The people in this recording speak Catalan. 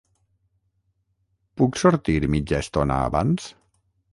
Puc sortir mitja estona abans?